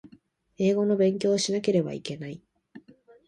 英語の勉強をしなければいけない